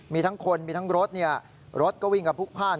มีทั้งคนมีทั้งรถเนี่ยรถก็วิ่งกับผู้ผ้าน